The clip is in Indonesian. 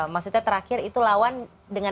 maksudnya terakhir itu lawan dengan